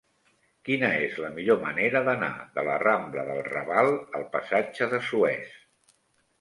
Quina és la millor manera d'anar de la rambla del Raval al passatge de Suez?